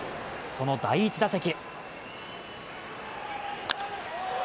その第１打席。